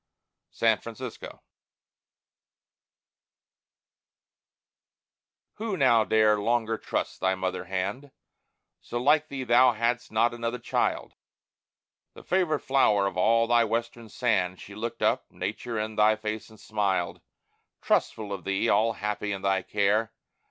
SAN FRANCISCO Who now dare longer trust thy mother hand? So like thee thou hadst not another child; The favorite flower of all thy Western sand, She looked up, Nature, in thy face and smiled, Trustful of thee, all happy in thy care.